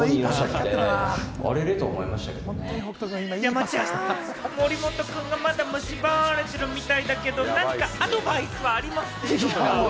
山ちゃん、森本くんがまだ蝕まれてるみたいだけど、何かアドバイスはありますか？